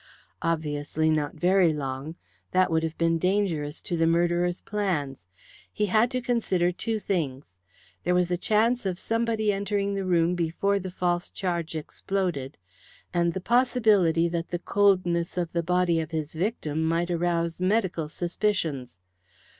Obviously not very long. That would have been dangerous to the murderer's plans. He had to consider two things. There was the chance of somebody entering the room before the false charge exploded, and the possibility that the coldness of the body of his victim might arouse medical suspicions.